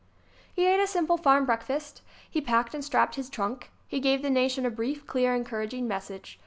He ate a simple farm breakfast. He packed and strapped his trunk. He gave the nation a brief, clear, encouraging message.